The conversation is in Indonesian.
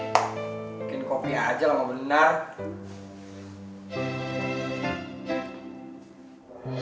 bikin kopi aja lah mau benar